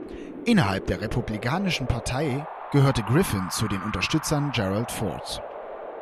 Innerhalb der Republikanischen Partei gehörte Griffin zu den Unterstützern Gerald Fords.